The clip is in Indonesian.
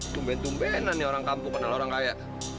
tumben tumben ane orang kampung kenal orang kaya